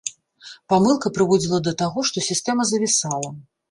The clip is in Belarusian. Памылка прыводзіла да таго, што сістэма завісала.